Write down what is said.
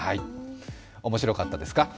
面白かったですか？